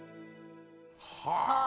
はあ。